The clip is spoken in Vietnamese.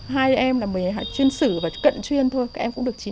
hai em là chuyên sử và cận chuyên thôi các em cũng được chín năm